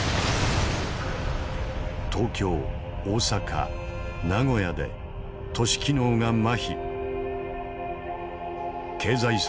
東京大阪名古屋で都市機能がまひ。